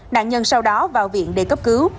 nạn nhân sau đó vào viện để cấp cứu